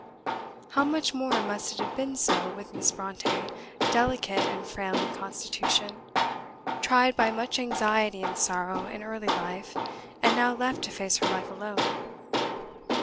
How much more must it have been so with Miss Brontë, delicate and frail in constitution, tried by much anxiety and sorrow in early life, and now left to face her life alone.